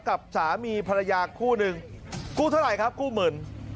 กับสามีภรรยาคู่หนึ่งกู้เท่าไหร่ครับกู้หมื่น